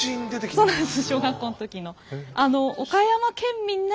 そうなんです小学校の時の。